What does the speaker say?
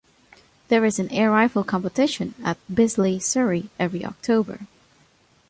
There is an air rifle competition at Bisley, Surrey every October.